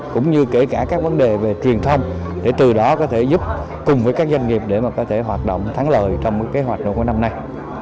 cũng như kể cả các vấn đề về truyền thông để từ đó có thể giúp cùng với các doanh nghiệp để mà có thể hoạt động thắng lợi trong cái hoạt động của năm nay